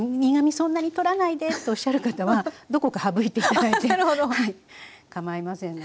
そんなに取らないでとおっしゃる方はどこか省いていただいてかまいませんので。